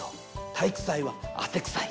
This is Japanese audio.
体育祭は汗くさい」。